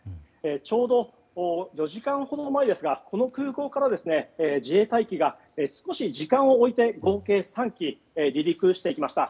ちょうど、４時間ほど前ですがこの空港から自衛隊機が少し時間を置いて合計３機、離陸していきました。